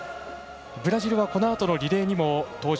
ブラジルはこのあとのリレーにも登場。